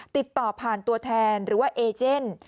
ติดต่อผ่านตัวแทนหรือว่าเอเจน